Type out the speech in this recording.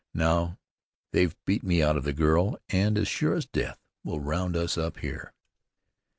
Now they've beat me out of the girl, and as sure as death will round us up here."